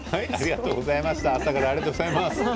朝からありがとうございました。